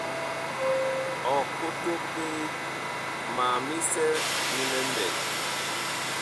Ɔ kotog ɓe ma misɛ mi lɛ mɓɛɛŋ.